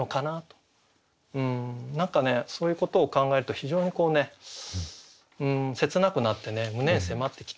何かねそういうことを考えると非常にこう切なくなってね胸に迫ってきて。